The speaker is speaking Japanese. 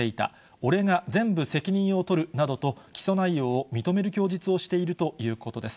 俺が全部責任を取るなどと、起訴内容を認める供述をしているということです。